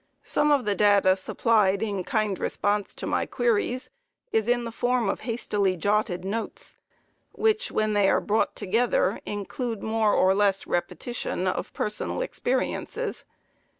Some of the data supplied in kind response to my queries is in the form of hastily jotted notes, which, when they are brought together, include more or less repetition of personal experiences.